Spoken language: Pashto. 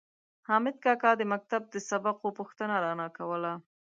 مخامد کاکا د مکتب د سبقو پوښتنه رانه کوله.